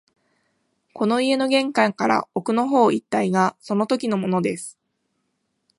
この家の玄関から奥の方一帯がそのときのものです